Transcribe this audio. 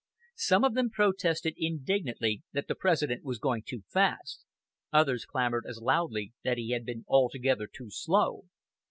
Some of them protested indignantly that the President was going too fast; others clamored as loudly that he had been altogether too slow.